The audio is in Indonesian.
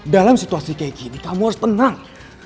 dalam situasi kayak gini kamu harus tenang